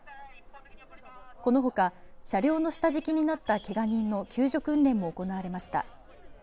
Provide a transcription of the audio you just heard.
このほか車両の下敷きになったけが人の救助訓練も行われました。